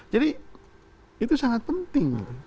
jadi itu sangat penting